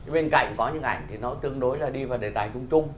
bên cạnh có những ảnh thì nó tương đối là đi vào đề tài chung chung